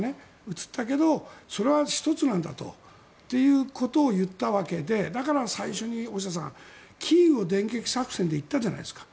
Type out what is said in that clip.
移ったけれどもそれは１つなんだと。ということを言ったわけでだから、最初にキーウ電撃作戦で行ったじゃないですか。